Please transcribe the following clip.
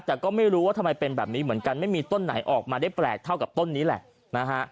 แต่ก็ไม่รู้ว่าทำไมเป็นแบบนี้เหมือนกันไม่มีต้นไหนออกมาได้แปลกเท่ากับต้นนี้แหละนะฮะ